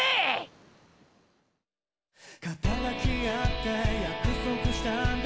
「肩抱き合って約束したんだ